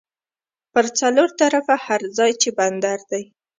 پر څلور طرفه هر ځای چې بندر دی